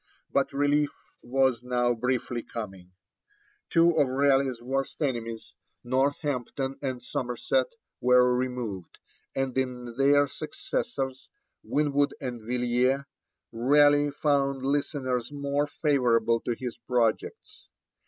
But relief was now briefly coming. Two of Raleigh's worst enemies, Northampton and Somerset, were removed, and in their successors, Winwood and Villiers, Raleigh found listeners more favourable to his projects.